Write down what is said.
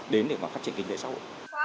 đến để mà phát triển kinh tế xã hội